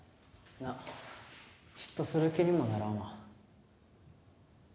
なっ嫉妬する気にもならんわ